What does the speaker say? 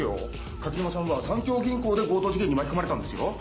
垣沼さんは三協銀行で強盗事件に巻き込まれたんですよ。